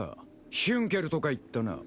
ヒュンケルとか言ったな。